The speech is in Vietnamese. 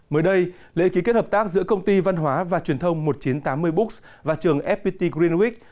mới đây lễ ký kết hợp tác giữa công ty văn hóa và truyền thông một nghìn chín trăm tám mươi books và trường fpt greenwic